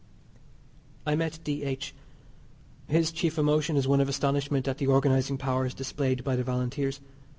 I met D.H. His chief emotion is one of astonishment at the organizing powers displayed by the Volunteers.